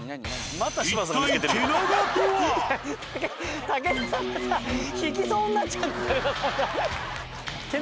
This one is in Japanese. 一体竹田さんがさひきそうになっちゃったからさ。